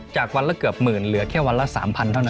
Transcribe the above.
จากวันละเกือบหมื่นเหลือแค่วันละ๓๐๐เท่านั้น